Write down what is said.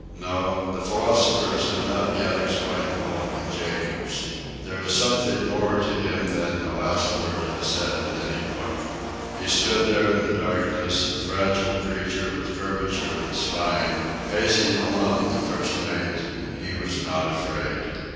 No; the philosophers have not yet explained Mulligan Jacobs. There is something more to him than the last word has said in any book. He stood there in the darkness, a fragile creature with curvature of the spine, facing alone the first mate, and he was not afraid. Mr.